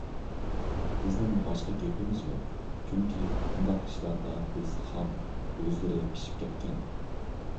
بىزنىڭ باشقا گېپىمىز يوق. چۈنكى، بۇنداق ئىشلاردا بىز خام، ئۆزلىرى پىشىپ كەتكەن.